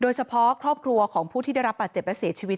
โดยเฉพาะครอบครัวของผู้ที่ได้รับบาดเจ็บและเสียชีวิต